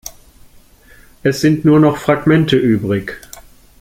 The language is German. Es sind nur noch Fragmente übrig.